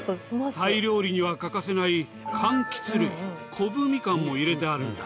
タイ料理には欠かせないかんきつ類コブミカンも入れてあるんだ。